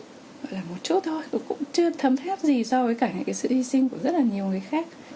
hoặc là một chút thôi cũng chưa thấm thép gì so với cả sự hy sinh của rất là nhiều người khác